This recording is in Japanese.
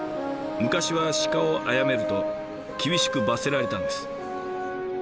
昔は鹿を殺めると厳しく罰せられたんです。